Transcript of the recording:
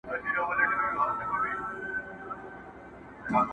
سړي وځي له حسابه په نړۍ کي,